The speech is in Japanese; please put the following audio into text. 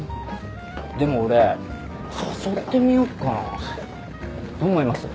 でも俺誘ってみよっかなどう思います？